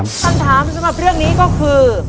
คำถามสำหรับเรื่องนี้ก็คือ